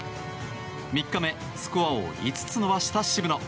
３日目スコアを５つ伸ばした渋野。